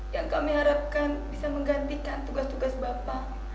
yang kami harapkan bisa menggantikan tugas tugas bapak